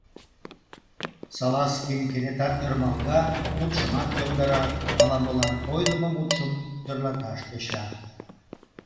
Салазкин кенета ӧрмалга, мутшымат йомдара, ала-молан ойлымо мутшым тӧрлаташ тӧча: